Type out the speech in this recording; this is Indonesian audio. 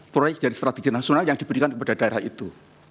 proyek jadi strategi nasional yang diberikan kepada daerah itu